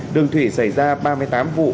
đường thủy xảy ra ba mươi tám vụ